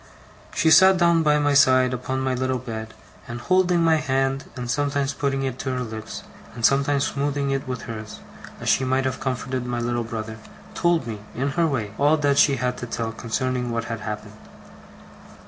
She sat down by my side upon my little bed; and holding my hand, and sometimes putting it to her lips, and sometimes smoothing it with hers, as she might have comforted my little brother, told me, in her way, all that she had to tell concerning what had happened.